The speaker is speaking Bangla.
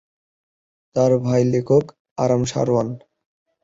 তার ভাই লেখক আরাম সারোয়ান।